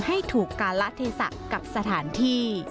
ให้ถูกการละเทศะกับสถานที่